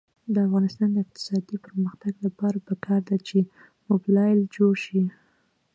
د افغانستان د اقتصادي پرمختګ لپاره پکار ده چې موبلایل جوړ شي.